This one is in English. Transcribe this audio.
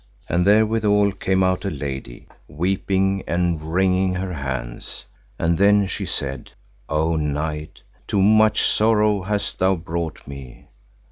And therewithal came out a lady weeping and wringing her hands; and then she said, O knight, too much sorrow hast thou brought me.